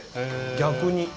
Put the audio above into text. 逆に。